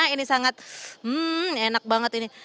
ini sangat enak banget ini